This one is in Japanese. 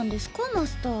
マスター。